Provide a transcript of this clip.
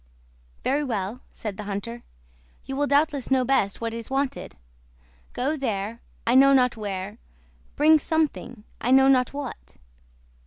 '" "Very well," said the hunter. "You will doubtless know best what is wanted: Go there, I know not where; bring something, I know not what."